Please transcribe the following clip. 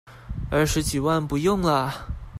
二十幾萬不用了